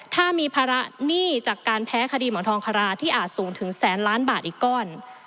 ถ้ามีภาระหนี้จากการแพ้คดีหมอนทองคาราที่อาจสูงถึงแสนล้านบาทอีกก้อน